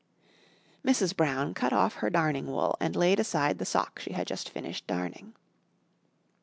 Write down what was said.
Mrs. Brown cut off her darning wool and laid aside the sock she had just finished darning.